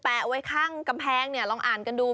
ไว้ข้างกำแพงเนี่ยลองอ่านกันดู